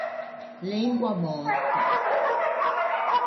Lengua mòrta.